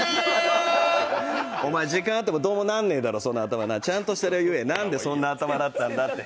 お前、時間あってもどうもなんねぇだろう、ちゃんとした理由言え、なんでそんな頭になったんだって。